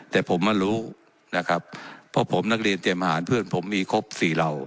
แต่ผมมารู้นะครับเพราะผมนักเรียนเตรียมทหารเพื่อนผมมีครบสี่เหล่า